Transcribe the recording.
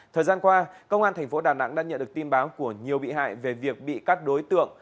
thời gian qua công an thành phố đà nẵng đã nhận được tin báo của nhiều bị hại về việc bị các đối tượng